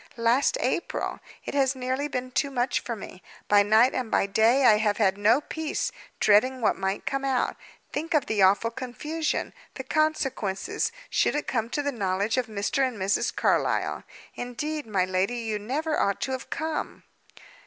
Last April! It has nearly been too much for me. By night and by day I have had no peace, dreading what might come out. Think of the awful confusion, the consequences, should it come to the knowledge of Mr. and Mrs. Carlyle. Indeed, my lady, you never ought to have come."